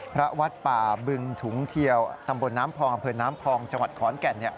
วัดป่าบึงถุงเทียวตำบลน้ำพองอำเภอน้ำพองจังหวัดขอนแก่น